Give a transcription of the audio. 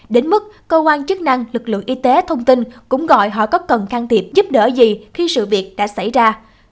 đến mức cơ quan chức năng lực lượng y tế thông tin cũng gọi họ có cần can thiệp giúp đỡ gì khi sự việc đã xảy ra